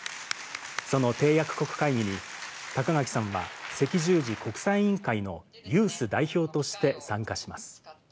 その締約国会議に、高垣さんは赤十字国際委員会のユース代表として参加します。